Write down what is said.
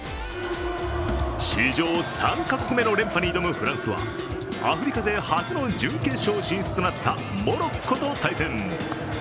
史上３か国目の連覇に挑むフランスはアフリカ勢初の準決勝進出となったモロッコと対戦。